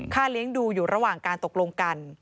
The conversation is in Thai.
เลี้ยงดูอยู่ระหว่างการตกลงกัน